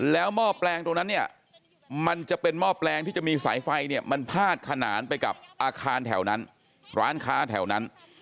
แล้วหม้อแปลงตรงนั้นเนี่ยมันจะเป็นหม้อแปลงที่จะมีสายไฟเนี่ยมันพาดขนานไปกับอาคารแถวนั้นร้านค้าแถวนั้น